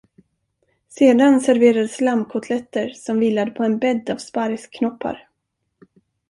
Sedan serverades lammkotletter, som vilade på en bädd av sparrisknoppar.